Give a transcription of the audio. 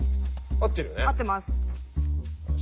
合ってます。